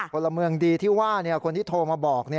พลเมืองดีที่ว่าคนที่โทรมาบอก